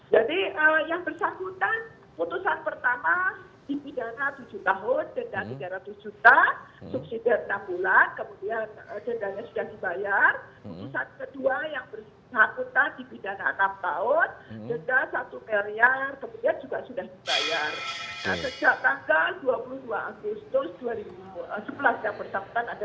jadi yang bersyakutan putusan pertama dipindahkan tujuh tahun